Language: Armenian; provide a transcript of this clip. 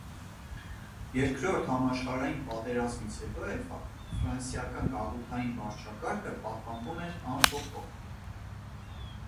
Երկրորդ համաշխարհային պատերազմից հետո էլ ֆրանսիական գաղութային վարչակարգը պահպանվում էր անփոփոխ։